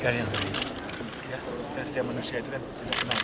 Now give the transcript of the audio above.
tapi yang penting bagaimana kita menjelisikan persoalan ini dengan baik